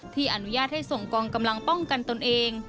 อนุญาตให้ส่งกองกำลังป้องกันตนเอง